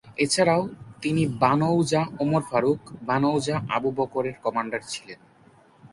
এছাড়াও তিনি বানৌজা উমর ফারুক, বানৌজা আবু বকর-এর কমান্ডার ছিলেন।